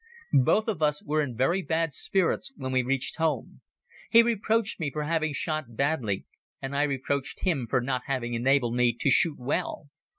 Both of us were in very bad spirits when we reached home. He reproached me for having shot badly and I reproached him for not having enabled me to shoot well.